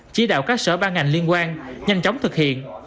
chỉ đạo các sở ban ngành liên quan nhanh chóng thực hiện